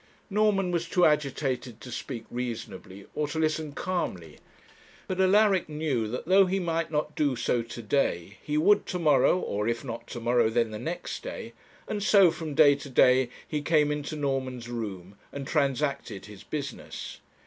Norman was too agitated to speak reasonably, or to listen calmly, but Alaric knew that though he might not do so to day, he would to morrow, or if not to morrow, then the next day; and so from day to day he came into Norman's room and transacted his business.